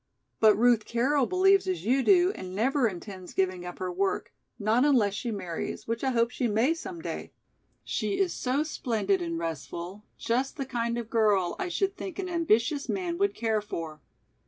But Ruth Carroll believes as you do and never intends giving up her work, not unless she marries which I hope she may some day. She is so splendid and restful, just the kind of girl I should think an ambitious man would care for.